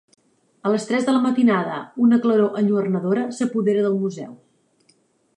A les tres de la matinada una claror enlluernadora s'apodera del museu.